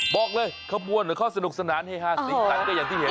บอกเลยเค้าบ้วนเค้าสนุกสนานเฮฮ่าสนิทสันก็อย่างที่เห็น